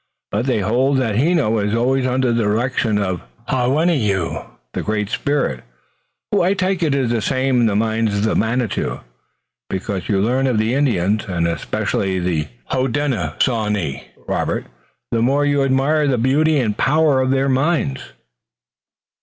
But they hold that Heno is always under the direction of Hawenneyu, the Great Spirit, who I take it is the same in their minds as Manitou. The more you learn of the Indians, and especially of the Hodenosaunee, Robert, the more you admire the beauty and power of their minds."